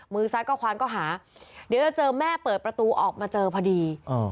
มือซ้ายก็ควานก็หาเดี๋ยวจะเจอแม่เปิดประตูออกมาเจอพอดี